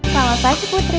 selamat pagi putri